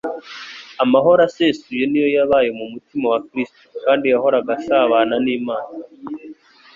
Amahoro asesuye ni yo yabaye mu mutima wa Kristo, kandi yahoraga asabana n'Imana.